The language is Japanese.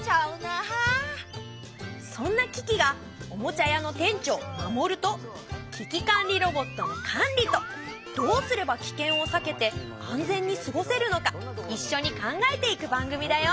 そんなキキがおもちゃ屋の店長マモルと危機管理ロボットのカンリとどうすればキケンを避けて安全に過ごせるのかいっしょに考えていく番組だよ。